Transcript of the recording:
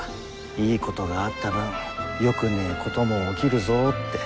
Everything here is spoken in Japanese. いいことがあった分よくねえことも起きるぞって。